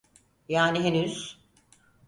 Yani henüz.